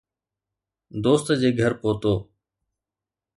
دوست جي گهر پهتو